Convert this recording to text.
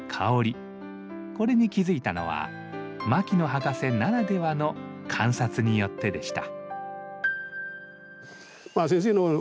これに気付いたのは牧野博士ならではの観察によってでした。